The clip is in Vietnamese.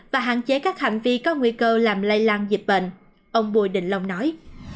và hạn chế các hành vi có nguy cơ làm lây lan dịch bệnh ông bùi đình long nói